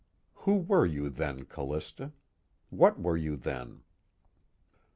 _Who were you then, Callista? what were you then?